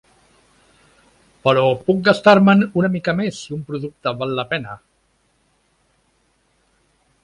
Però puc gastar-me'n una mica més, si un producte val la pena.